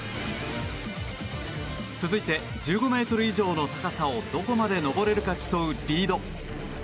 続いて、１５ｍ以上の高さをどこまで登れるか競うリード。